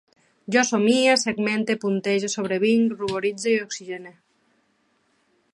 Jo somie, segmente, puntege, sobrevinc, ruboritze, oxigene